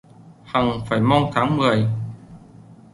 Hẳng phải mong tháng mười.